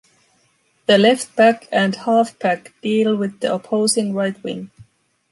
The left back and half-back deal with the opposing right wing.